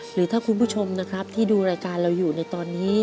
หรือถ้าคุณผู้ชมนะครับที่ดูรายการเราอยู่ในตอนนี้